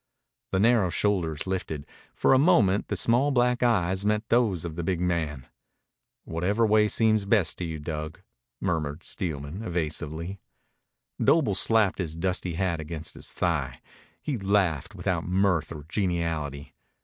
The narrow shoulders lifted. For a moment the small black eyes met those of the big man. "Whatever way seems best to you, Dug," murmured Steelman evasively. Doble slapped his dusty hat against his thigh. He laughed, without mirth or geniality.